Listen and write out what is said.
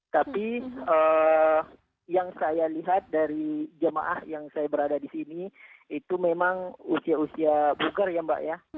tapi yang saya lihat dari jemaah yang saya berada di sini itu memang usia usia bugar ya mbak ya